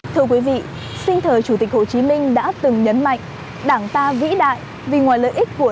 thưa quý vị sinh thờ chủ tịch hồ chí minh đã từng nhấn mạnh đảng ta vĩ đại vì ngoài lợi ích của đất nước